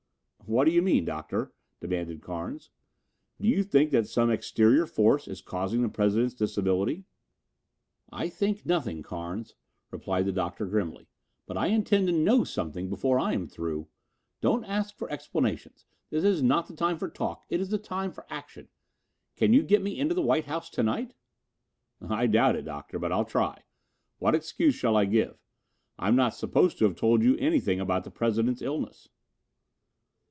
"What do you mean, Doctor?" demanded Carnes. "Do you think that some exterior force is causing the President's disability?" "I think nothing, Carnes," replied the Doctor grimly, "but I intend to know something before I am through. Don't ask for explanations: this is not the time for talk, it is the time for action. Can you get me into the White House to night?" "I doubt it, Doctor, but I'll try. What excuse shall I give? I am not supposed to have told you anything about the President's illness."